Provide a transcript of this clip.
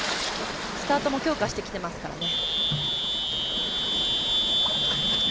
スタートも強化してきていますからね。